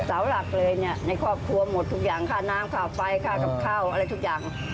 เสาหลักเลยเนี่ยในครอบครัวหมดทุกอย่างค่าน้ำค่าไฟค่ากับข้าวอะไรทุกอย่าง